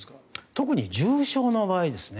特に重症の場合ですね